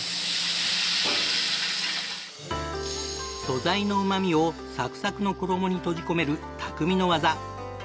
素材のうま味をサクサクの衣に閉じ込める匠の技。